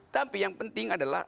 tapi yang penting adalah